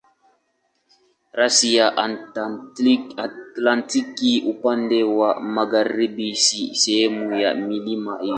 Rasi ya Antaktiki upande wa magharibi si sehemu ya milima hiyo.